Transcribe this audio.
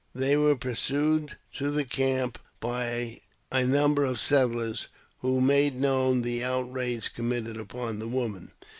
They were pursued to the camp by a number of the settlers, who made known the outrage com mitted upon the woman.